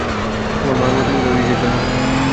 তোমার মায়া-মমতা ছিলো রিজের জন্য।